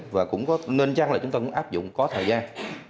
và cũng nên chắc là chúng ta cũng áp dụng có thời gian